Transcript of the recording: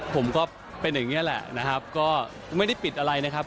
ผมก็เป็นอย่างนี้แหละนะครับก็ไม่ได้ปิดอะไรนะครับ